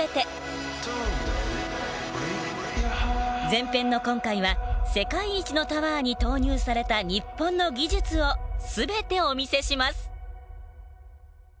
前編の今回は世界一のタワーに投入された日本の技術をすべてお見せします。